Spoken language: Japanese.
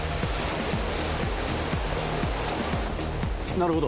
なるほど！